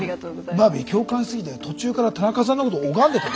バービー共感しすぎて途中から田中さんのこと拝んでたよ。